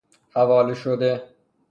حواله شده